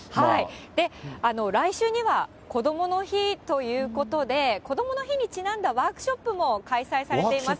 来週にはこどもの日ということで、こどもの日にちなんだワークショップも開催されています。